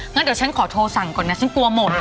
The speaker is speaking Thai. งั้นเดี๋ยวฉันขอโทรสั่งก่อนนะฉันกลัวหมด